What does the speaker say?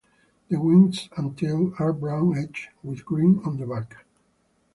The wings and tail are brown edged with green on the back.